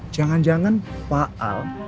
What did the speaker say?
jangan jangan pak al